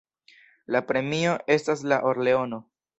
La premio estas la or-leono.